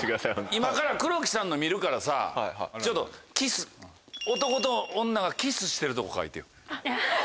今から黒木さんの見るからさキス男と女がキスしてるとこ描いてよ。